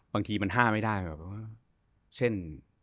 บางทีมันห้ามไม่ได้แบบว่าเช่น